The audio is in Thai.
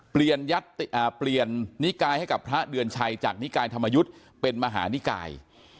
เปลี่ยนนิกายให้กับพระเดือนชัยจากนิกายธรรมยุทธ์เป็นมหานิกาย